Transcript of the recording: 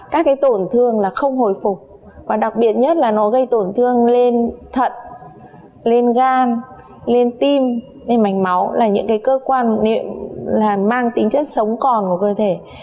các tổn thương không hồi phục và đặc biệt nhất là nó gây tổn thương lên thận lên gan lên tim lên mảnh máu là những cơ quan mang tính chất sống còn của cơ thể